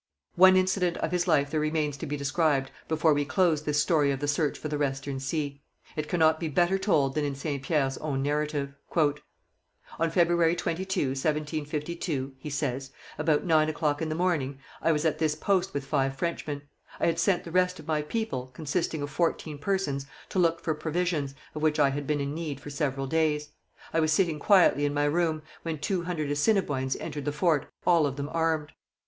One incident of his life there remains to be described before we close this story of the search for the Western Sea. It cannot be better told than in Saint Pierre's own narrative: On February 22, 1752 [he says], about nine o'clock in the morning, I was at this post with five Frenchmen. I had sent the rest of my people, consisting of fourteen persons, to look for provisions, of which I had been in need for several days. I was sitting quietly in my room, when two hundred Assiniboines entered the fort, all of them armed.